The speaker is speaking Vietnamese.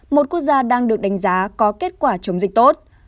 một quốc gia đang được đánh giá có kết quả chống dịch tốt